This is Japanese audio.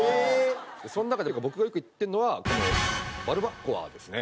その中で僕がよく行ってるのはこのバルバッコアですね。